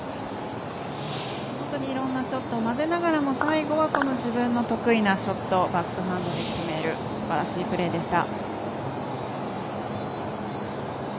いろんなショットを交ぜながらも最後はこの自分の得意なショットをバックハンドで決めるすばらしいプレーでした。